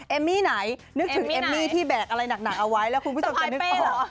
เอมมี่ไหนนึกถึงเอมมี่ที่แบกอะไรหนักเอาไว้แล้วคุณผู้ชมจะนึกต่อ